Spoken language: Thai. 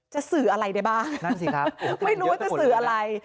จะสื่ออะไรได้บ้างไม่รู้ว่าจะสื่ออะไร